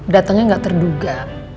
datengnya ga terduga